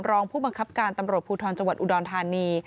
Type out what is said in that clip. รองผู้บังคับการตำรวจภูทรจังหวัดอุดรธานี